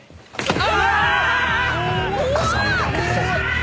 あ！